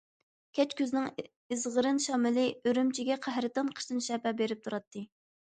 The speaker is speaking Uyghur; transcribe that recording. كەچ كۈزنىڭ ئىزغىرىن شامىلى ئۈرۈمچىگە قەھرىتان قىشتىن شەپە بېرىپ تۇراتتى.